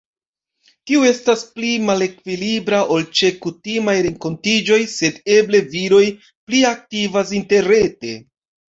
Tio estas pli malekvilibra ol ĉe kutimaj renkontiĝoj, sed eble viroj pli aktivas interrete.